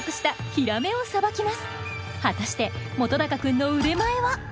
果たして本君の腕前は？